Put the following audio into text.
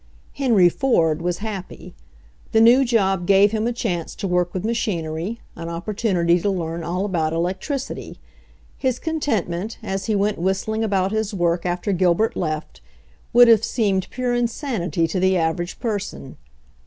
Henry Ford wa£ happy. The new job gave him a chance to work with machinery, an oppor tunity to learn all about electricity. His content ment, as he went whistling about his work after Gilbert left, would have seemed pure insanity to the average person.